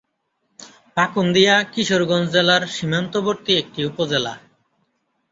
পাকুন্দিয়া কিশোরগঞ্জ জেলার সীমান্তবর্তী একটি উপজেলা।